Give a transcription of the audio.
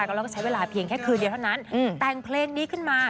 แล้วก็ใช้เวลาเพียงแค่คืนเดียวเท่านั้นแต่งเพลงนี้ขึ้นมา